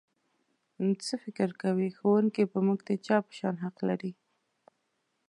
څه فکر کوئ ښوونکی په موږ د چا په شان حق لري؟